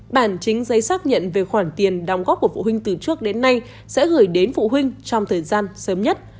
bản chính giấy xác nhận về khoản tiền đóng góp của phụ huynh từ trước đến nay sẽ gửi đến phụ huynh trong thời gian sớm nhất